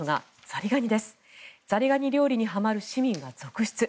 ザリガニ料理にはまる市民が続出。